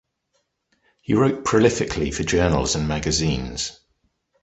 He wrote prolifically for journals and magazines.